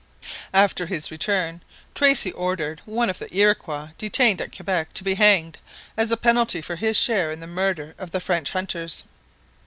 After his return Tracy ordered one of the Iroquois detained at Quebec to be hanged as a penalty for his share in the murder of the French hunters.